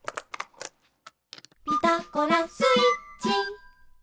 「ピタゴラスイッチ」